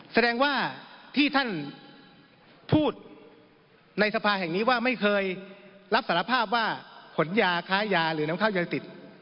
แสดงว่าที่ท่านพูดในสภาแห่งนี้ว่าไม่เคยรับสารภาพว่าขนยาค้ายาหรือน้ำข้าวยาติด